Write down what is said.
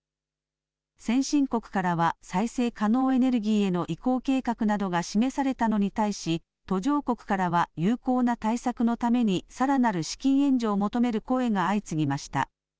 先進国からは再生可能エネルギーへの移行計画などが示されたのに対し、途上国からは有効な対策のためにさらなる資金援助を求める声が相次ぎました。